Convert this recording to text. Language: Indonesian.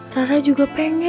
rara juga pengen